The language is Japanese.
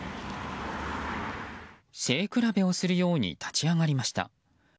背比べをするように立ち上がりました。